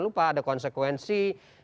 lupa ada konsekuensi